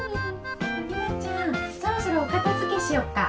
そろそろおかたづけしよっか？